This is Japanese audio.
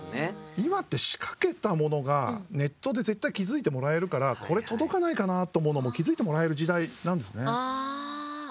今って仕掛けたものがネットで絶対気付いてもらえるからこれ届かないかなって思うのも気付いてもらえる時代なんですね。